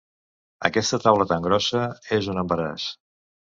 Aquesta taula tan grossa és un embaràs.